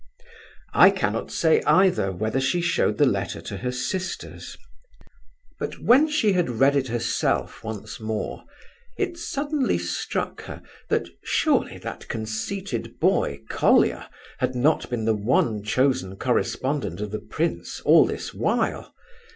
I cannot say, either, whether she showed the letter to her sisters. But when she had read it herself once more, it suddenly struck her that surely that conceited boy, Colia, had not been the one chosen correspondent of the prince all this while.